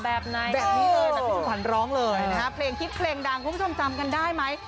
แบบนี้เลยแบบพี่สุภัณฑ์ร้องเลย